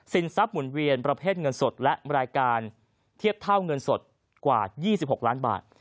ทรัพย์หมุนเวียนประเภทเงินสดและรายการเทียบเท่าเงินสดกว่า๒๖ล้านบาท